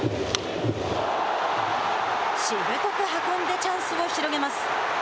しぶとく運んでチャンスを広げます。